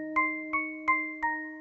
ini mbak mbak ketinggalan